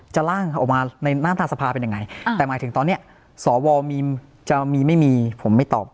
ร่างออกมาในหน้าตาสภาเป็นยังไงแต่หมายถึงตอนนี้สวจะมีไม่มีผมไม่ตอบ